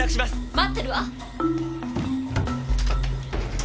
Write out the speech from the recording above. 待ってるわ。